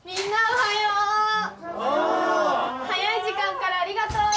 おぉ早い時間からありがとう！